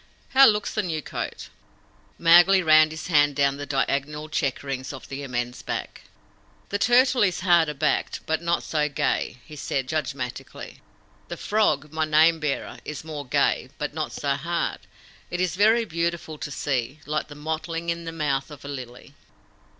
How looks the new coat?" Mowgli ran his hand down the diagonal checkerings of the immense back. "The Turtle is harder backed, but not so gay," he said judgmatically. "The Frog, my name bearer, is more gay, but not so hard. It is very beautiful to see like the mottling in the mouth of a lily."